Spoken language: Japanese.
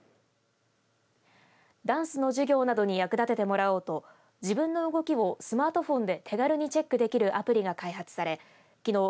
ダンスの授業などに役立ててもらおうと自分の動きをスマートフォンで手軽にチェックできるアプリが開発されきのう